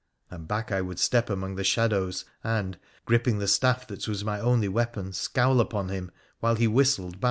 ' And back I would step among the shadows, and, gripping the staff that was my only weapon, scowl on him while he whistled.